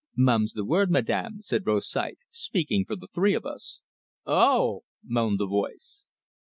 "Mum's the word, Madame," said Rosythe, speaking for the three of us. "O o o o o o o o oh!" moaned the voice.